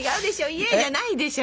「いえい」じゃないでしょ